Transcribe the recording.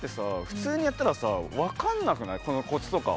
普通にやったらさ分からなくない、コツとか。